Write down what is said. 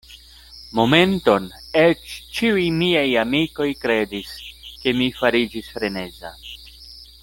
Momenton eĉ ĉiuj miaj amikoj kredis, ke mi fariĝis freneza.